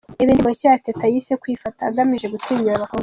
Reba indirimbo nshya ya Teta, yise "Kwifata", agamije gutinyura abakobwa.